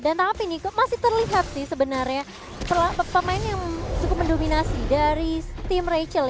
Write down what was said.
dan tapi nih kok masih terlihat sih sebenarnya pemain yang cukup mendominasi dari tim rachel